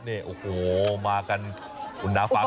นี่โอ้โหมากันคุณน้ำฟ้า